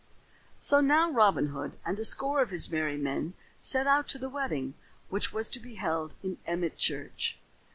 So now Robin Hood and a score of his merry men set out to the wedding which was to be held in Emmet Church.